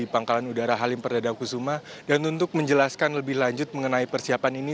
pangkalan udara halim perdana kusuma dan untuk menjelaskan lebih lanjut mengenai persiapan ini